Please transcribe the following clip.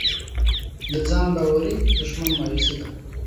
د ځان باورۍ دښمن مایوسي ده.